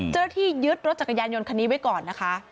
เจ้าหน้าที่ยึดรถจักรยานยนต์คันนี้ไว้ก่อนนะคะ